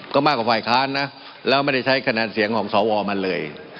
ก็มากกว่าฝ่ายค้านนะแล้วไม่ได้ใช้คะแนนเสียงของสวมาเลย